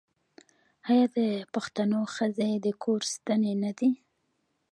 آیا د پښتنو ښځې د کور ستنې نه دي؟